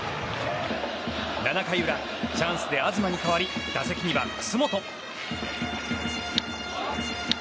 ７回裏チャンスで東に代わり打席には、楠本。